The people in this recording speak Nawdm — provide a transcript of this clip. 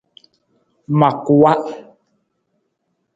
Ma kuwa.